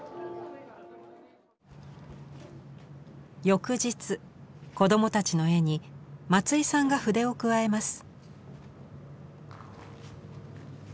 翌日子供たちの絵に松井さんが筆を加えます。